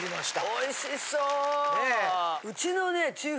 おいしそう！